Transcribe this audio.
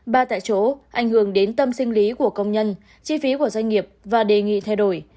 ba tại chỗ ảnh hưởng đến tâm sinh lý của công nhân chi phí của doanh nghiệp và đề nghị thay đổi